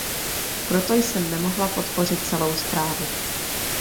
Proto jsem nemohla podpořit celou zprávu.